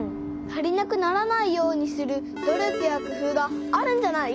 足りなくならないようにする努力やくふうがあるんじゃない？